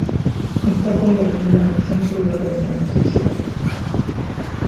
Está convertida en centro de reuniones sociales.